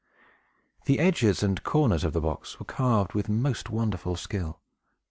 The edges and corners of the box were carved with most wonderful skill.